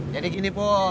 jadi gini pur